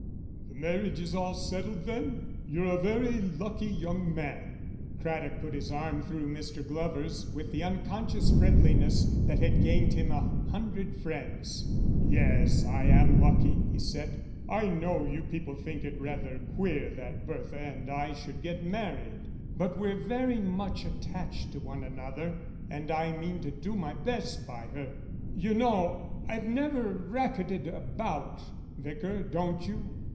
"The marriage is all settled then? You're a very lucky young man." Craddock put his arm through Mr. Glover's with the unconscious friendliness that had gained him an hundred friends. "Yes, I am lucky," he said. "I know you people think it rather queer that Bertha and I should get married, but we're very much attached to one another, and I mean to do my best by her. You know I've never racketed about, Vicar, don't you?"